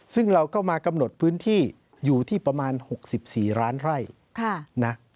ซึ่งเราก็มากำหนดพื้นที่อยู่ที่ประมาณ๖๔ล้านไร่นะ